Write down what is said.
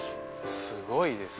すごいです。